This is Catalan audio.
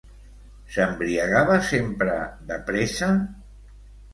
S'embriagava sempre de pressa?